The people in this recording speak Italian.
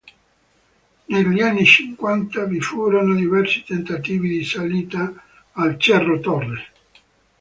Negli anni cinquanta vi furono diversi tentativi di salita al Cerro Torre.